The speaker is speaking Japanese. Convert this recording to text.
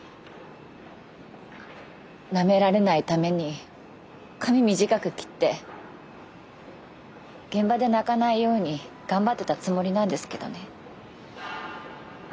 なめられないために髪短く切って現場で泣かないように頑張ってたつもりなんですけどね。